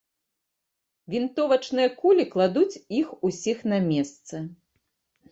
Вінтовачныя кулі кладуць іх усіх на месцы.